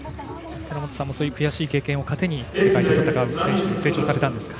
寺本さんもそういう悔しい経験を糧に世界と戦う選手に成長されたんですか。